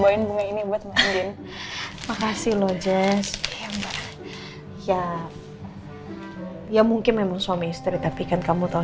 bawain bunga ini buat ngajin makasih lo jess ya ya mungkin memang suami istri tapi kan kamu tahu